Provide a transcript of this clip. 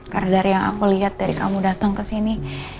karena dari yang saya lihat dari kamu datang ke sini